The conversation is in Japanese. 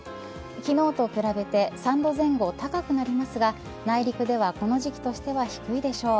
昨日と比べて３度前後高くなりますが内陸ではこの時期としては低いでしょう。